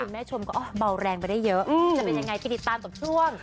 ดูแม่ชมก็อ๋อเบาแรงไปได้เยอะจะไปยังไงกินตามต่อช่วง